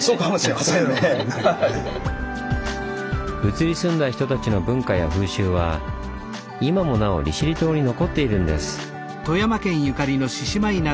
移り住んだ人たちの文化や風習は今もなお利尻島に残っているんです。